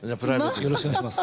よろしくお願いします。